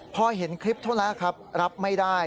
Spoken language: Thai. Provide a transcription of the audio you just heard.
พอเห็นคลิปเท่านั้นครับรับไม่ได้